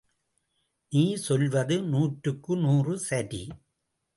நீ சொல்வது நூற்றுக்கு நூறு சரி!